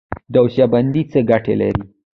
دوسیه بندي څه ګټه لري؟